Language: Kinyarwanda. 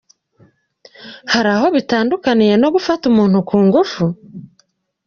Hari aho bitandukaniye no gufata umuntu ku ngufu?